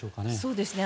そうですね。